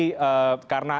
karena ini menarik